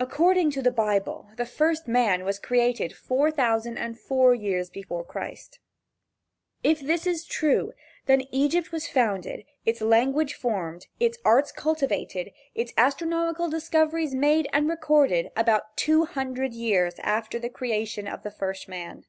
According to the Bible the first man was created four thousand and four years before Christ If this is true then Egypt was founded, its language formed, its arts cultivated, its astronomical discoveries made and recorded about two hundred years after the creation of the first man.